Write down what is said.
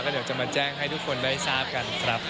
เดี๋ยวจะมาแจ้งให้ทุกคนได้ทราบกันครับ